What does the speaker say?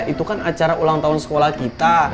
itu kan acara ulang tahun sekolah kita